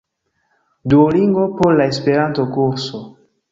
Duolingo por la Esperanto-kurso